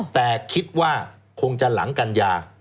แต่คิดว่าคงจะหลังกัญญา